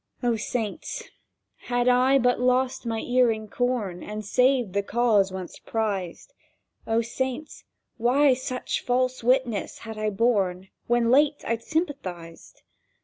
O Saints, had I but lost my earing corn And saved the cause once prized! O Saints, why such false witness had I borne When late I'd sympathized! .